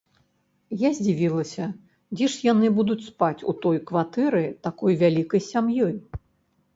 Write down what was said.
Я здзівілася, дзе ж яны будуць спаць у той кватэры такой вялікай сям'ёй?